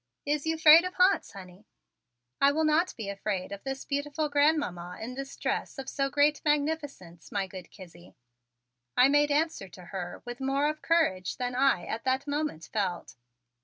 Is you 'fraid of ha'nts, honey?" "I will not be afraid of this beautiful Grandmamma in this dress of so great magnificence, my good Kizzie," I made answer to her with more of courage than I at that moment felt.